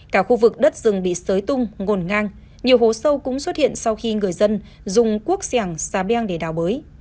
cả khu vực đất rừng bị sới tung ngồn ngang nhiều hố sâu cũng xuất hiện sau khi người dân dùng cuốc xẻng xa beng để đào bới